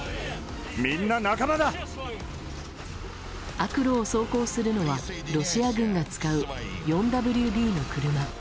悪路を走行するのはロシア軍が使う、４ＷＤの車。